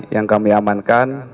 yang kami amankan